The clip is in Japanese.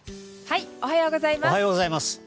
おはようございます。